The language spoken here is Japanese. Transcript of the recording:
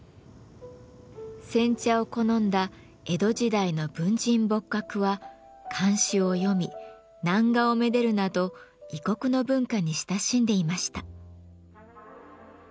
煎茶を好んだ江戸時代の文人墨客は漢詩を詠み南画をめでるなど異国の文化に親しんでいました。